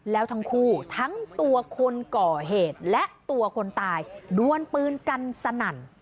แล้วทั้งคู่ทั้งตัวคนก่อเหตุและตัวคนตายดวนปืนกันสนั่น